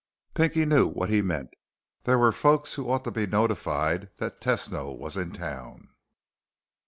Pinky knew what he meant. There were folks who ought to be notified that Tesno was in town.